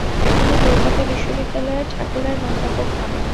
তিনি কলকাতা বিশ্ববিদ্যালয়ের ঠাকুর আইন অধ্যাপক হন ।